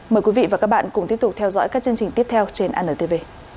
mời quý vị và các bạn cùng tiếp tục theo dõi các chương trình tiếp theo trên antv